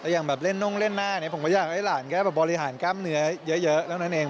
อย่างเล่นน่องเล่นหน้าผมก็อยากให้หลานก็บริหารกล้ามเนื้อเยอะแล้วนั่นเอง